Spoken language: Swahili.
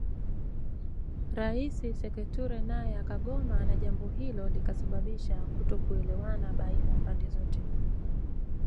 Rais Sekou Toure naye akagoma na jambo hilo likasababisha kutokuelewana baina ya pande zote